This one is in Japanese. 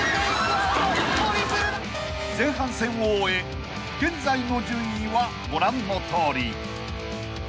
［前半戦を終え現在の順位はご覧のとおり］